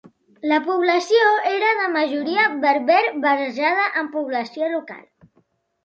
La població era de majoria berber barrejada amb població local.